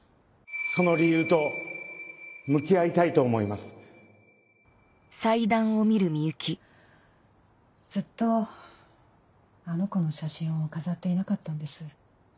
その理由と向き合いたいとずっとあの子の写真を飾っていなかったんです。